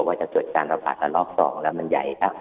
ว่าจะตรวจการระบาดละลอก๒แล้วมันใหญ่ครับ